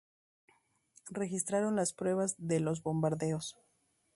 Registraron las pruebas de los bombardeos.